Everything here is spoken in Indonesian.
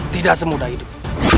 tidak semudah hidup